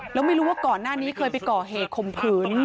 แล้วไม่รู้ว่าก่อนหน้านี้เคยไปก่อเหตุข่มขืน